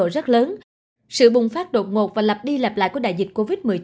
rất lớn sự bùng phát đột ngột và lặp đi lặp lại của đại dịch covid một mươi chín